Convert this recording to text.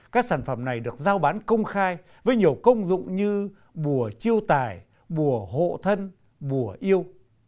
các sản phẩm này được giao bán công khai với nhiều công dụng như bùa chiêu tài bùa hộ thân bùa yêu